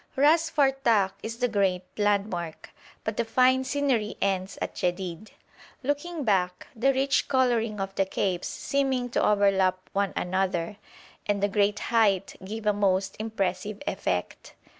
Ras Fartak is the great landmark, but the fine scenery ends at Jedid. Looking back, the rich colouring of the capes, seeming to overlap one another, and the great height, give a most impressive effect.